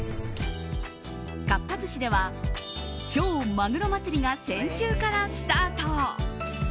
かっぱ寿司では超まぐろ祭りが先週からスタート。